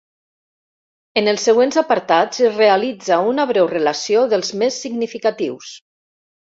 En els següents apartats es realitza una breu relació dels més significatius.